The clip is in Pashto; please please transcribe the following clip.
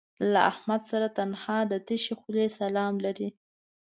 له احمد سره تنها د تشې خولې سلام لرم